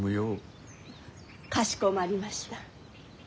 かしこまりました。